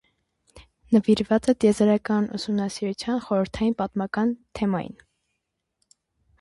Նվիրված է տիեզերական ուսումնասիրության խորհրդային պատմական թեմային։